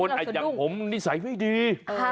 บางคนอย่างผมนิสัยไม่ดี